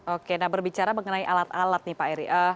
oke nah berbicara mengenai alat alat nih pak eri